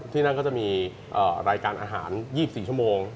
ที่นั่นก็จะมีรายการอาหาร๒๔ชั่วโมง